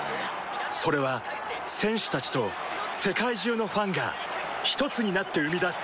それは選手たちと世界中のファンがひとつになって生み出す